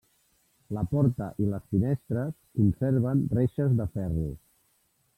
La porta i les finestres conserven reixes de ferro.